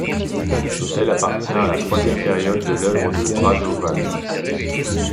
L'hôtel appartient à la troisième période de l'œuvre de Brašovan.